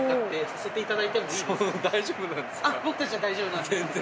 僕たちは大丈夫なんですけど。